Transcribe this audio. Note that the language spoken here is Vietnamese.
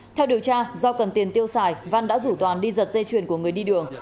theo điều tra do cần tiền tiêu xài văn đã rủ toàn đi giật dây chuyền của người đi đường